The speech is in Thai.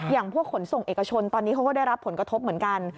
อย่างพวกขนส่งเอกชนตอนนี้เขาก็ได้รับผลกระทบเหมือนกัน